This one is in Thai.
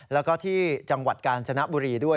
แล้วก็ที่จังหวัดกาญจนบุรีด้วย